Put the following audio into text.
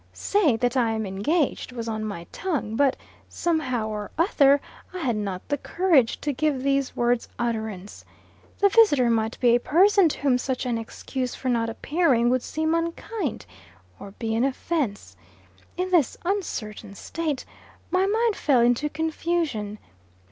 "Say that I'm engaged," was on my tongue. But, somehow or other, I had not the courage to give these words utterance. The visitor might be a person to whom such an excuse for not appearing would seem unkind, or be an offence. In this uncertain state, my mind fell into confusion.